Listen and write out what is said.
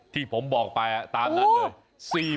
ที่ผมบอกไปตามนั้นเลย